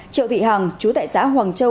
triệu thị hằng chú tại xã hoàng châu